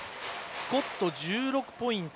スコット１６ポイント。